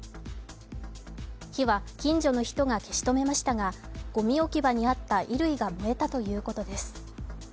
火は近所の人が消し止めましたが、ごみ置き場にあった衣類が燃えたということです。